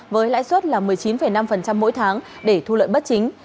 với lãi suất là một mươi chín năm mỗi tháng để thu lợi bất chính